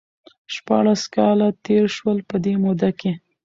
شپاړس کاله تېر شول ،په دې موده کې